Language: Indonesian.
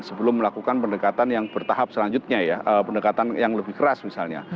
sebelum melakukan pendekatan yang bertahap selanjutnya ya pendekatan yang lebih keras misalnya